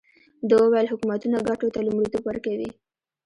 ده وویل حکومتونه ګټو ته لومړیتوب ورکوي.